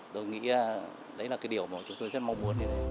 tôi nghĩ đấy là cái điều mà chúng tôi rất mong muốn